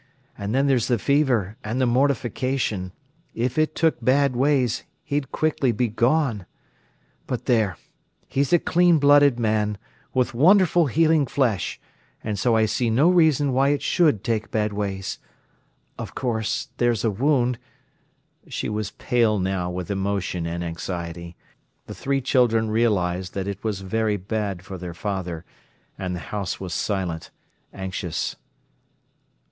And then there's the fever and the mortification—if it took bad ways he'd quickly be gone. But there, he's a clean blooded man, with wonderful healing flesh, and so I see no reason why it should take bad ways. Of course there's a wound—" She was pale now with emotion and anxiety. The three children realised that it was very bad for their father, and the house was silent, anxious.